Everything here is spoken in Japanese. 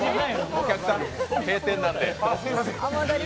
お客さん、閉店なんで。